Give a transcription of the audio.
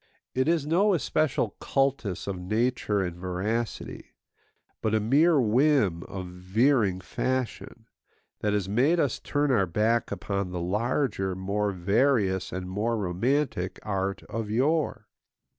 It is no especial cultus of nature and veracity, but a mere whim of veering fashion, that has made us turn our back upon the larger, more various, and more romantic art of yore.